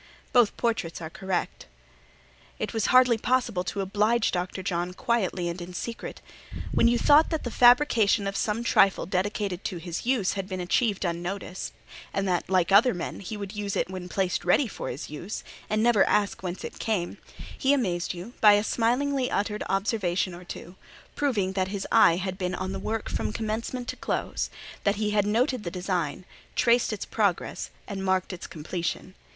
Both portraits are correct. It was hardly possible to oblige Dr. John quietly and in secret. When you thought that the fabrication of some trifle dedicated to his use had been achieved unnoticed, and that, like other men, he would use it when placed ready for his use, and never ask whence it came, he amazed you by a smilingly uttered observation or two, proving that his eye had been on the work from commencement to close: that he had noted the design, traced its progress, and marked its completion.